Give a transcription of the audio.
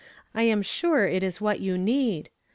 I am sure it is Avliat you need.